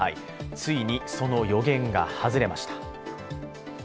ついにその予言が外れました。